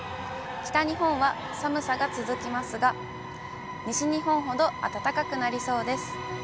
北日本は寒さが続きますが、西日本ほど暖かくなりそうです。